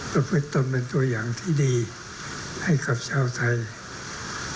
ประพฤติตนเป็นตัวอย่างที่ดีให้กับชาวไทย